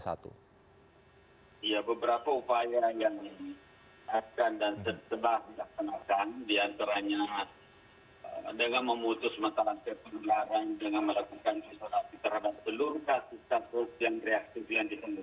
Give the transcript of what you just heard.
ya beberapa upaya yang akan dan setelah dilaksanakan